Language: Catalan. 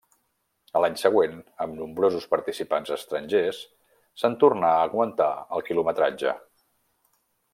A l'any següent, amb nombrosos participants estrangers, se'n tornà a augmentar el quilometratge.